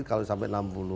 kalau sampai enam puluh